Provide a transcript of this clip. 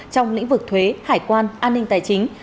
trong lĩnh vực thuế hải quan an ninh tài chính